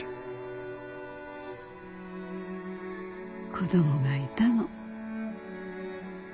子どもがいたの。